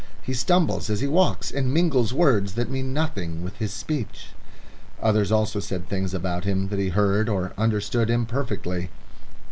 He stumbles as he walks and mingles words that mean nothing with his speech." Others also said things about him that he heard or understood imperfectly.